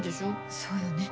そうよね。